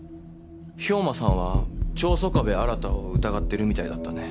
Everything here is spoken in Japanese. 兵馬さんは長曾我部新を疑ってるみたいだったね。